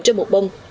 trên một bông